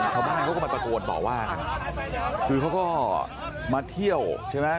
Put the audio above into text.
เขาก็มาตรวจบอกว่าคือเขาก็มาเที่ยวใช่ไหม